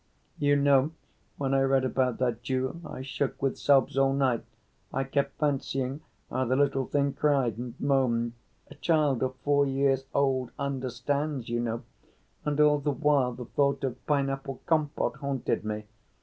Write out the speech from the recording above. "You know, when I read about that Jew I shook with sobs all night. I kept fancying how the little thing cried and moaned (a child of four years old understands, you know), and all the while the thought of pineapple compote haunted me.